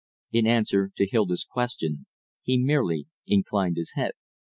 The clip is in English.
In answer to Hilda's question he merely inclined his head.